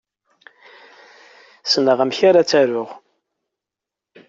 Ssneɣ amek ara t-aruɣ.